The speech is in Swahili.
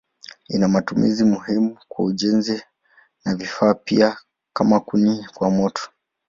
Ina matumizi muhimu kwa ujenzi na vifaa pia kama kuni kwa moto.